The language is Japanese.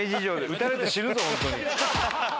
撃たれて死ぬぞ本当に。